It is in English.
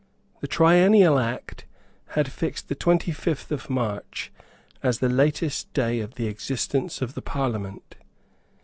The Triennial Act had fixed the twenty fifth of March as the latest day of the existence of the Parliament.